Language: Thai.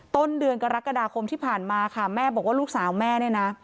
ต้นเดือนกรกฎาคมที่ผ่านมาค่ะแม่บอกว่าลูกสาวแม่เนี่ยนะ